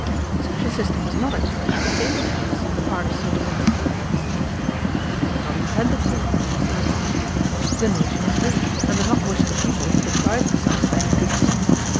"Such a system does not encourage saving habits on the part of citizens," I said. "It is not intended to," was the reply. "The nation is rich, and does not wish the people to deprive themselves of any good thing.